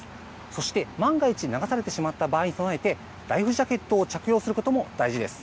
そして万が一、流されてしまった場合に備えて、ライフジャケットを着用することも大事です。